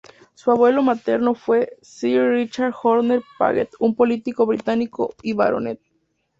Su abuelo materno fue Sir Richard Horner Paget, un político británico y baronet.